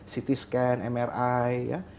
ct scan mri ya